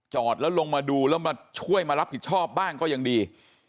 จอดแล้วลงมาดูแล้วมาช่วยมารับผิดชอบบ้างก็ยังดี